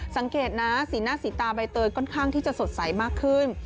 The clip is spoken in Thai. สังเกตนะสีหน้าสีตาใบเตยค่อนข้างที่จะสดใสมากขึ้น